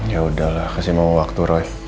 ya udahlah kasih memang waktu roy